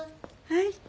はい。